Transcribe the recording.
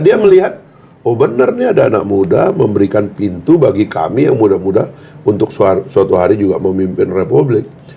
dia melihat oh benarnya ada anak muda memberikan pintu bagi kami yang muda muda untuk suatu hari juga memimpin republik